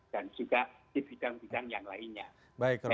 dan juga di bidang bidang yang lainnya